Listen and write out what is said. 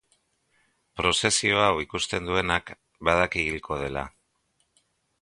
Prozesio hau ikusten duenak badaki hilko dela.